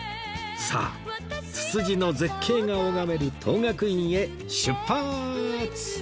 さあツツジの絶景が拝める等覚院へ出発！